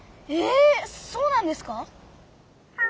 えそうなんですか？